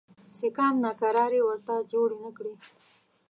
سیکهان ناکراري ورته جوړي نه کړي.